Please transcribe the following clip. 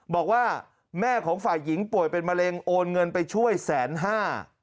บอกว่าแม่ของฝ่ายหญิงป่วยเป็นมะเร็งโอนเงินไปช่วยแสนห้า